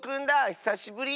ひさしぶり。